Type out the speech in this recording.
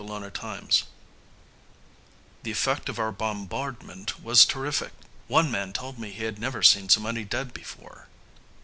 THE EFFECT "The effect of our bombardment was terrific. One man told me he had never seen so many dead before."